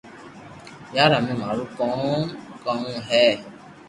يار ھمي مارو ڪاو ڪوم ھي